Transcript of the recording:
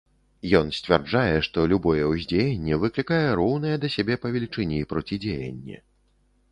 Ён сцвярджае, што любое ўздзеянне выклікае роўнае да сябе па велічыні процідзеянне.